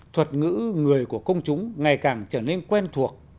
thuật ngữ người của công chúng ngày càng trở nên quen thuộc